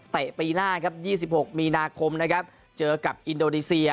แต่ปีหน้า๒๖มีนาคมเจอกับอินโดรีเซีย